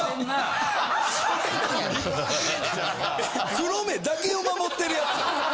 黒目だけを守ってるやつ？